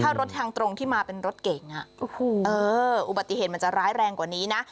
ถ้ารถทางตรงที่มาเป็นรถเก่งอุบัติเหตุมันจะร้ายแรงกว่านี้นะ